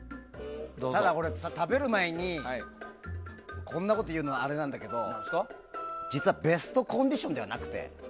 食べる前に、こんなこと言うのあれなんだけど実は、ベストコンディションではなくて。